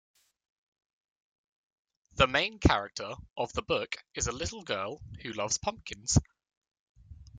The main character of the book is a little girl who loves pumpkins.